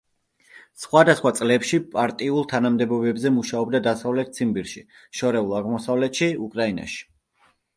სხვადასხვა წლებში პარტიულ თანამდებობებზე მუშაობდა დასავლეთ ციმბირში, შორეულ აღმოსავლეთში, უკრაინაში.